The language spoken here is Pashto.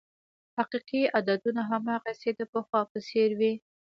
حقیقي عددونه هماغسې د پخوا په څېر وې.